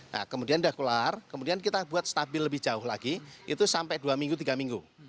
nah kemudian sudah keluar kemudian kita buat stabil lebih jauh lagi itu sampai dua minggu tiga minggu